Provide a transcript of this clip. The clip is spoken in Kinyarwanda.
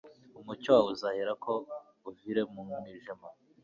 umucyo wawe uzaherako uvire mu mwijima